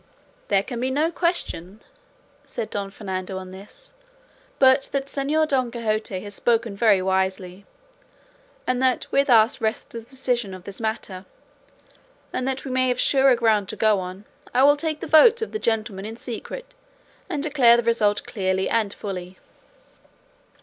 "There can be no question," said Don Fernando on this, "but that Señor Don Quixote has spoken very wisely, and that with us rests the decision of this matter; and that we may have surer ground to go on, I will take the votes of the gentlemen in secret, and declare the result clearly and fully."